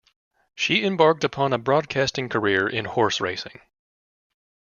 She embarked upon a broadcasting career in horse racing.